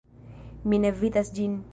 Mi ne vidas ĝin.